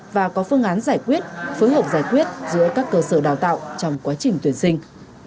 và có phương án giải quyết phối hợp giải quyết giữa các cơ sở đào tạo trong quá trình tuyển sinh